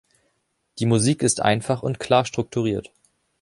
Die Musik ist einfach und klar strukturiert.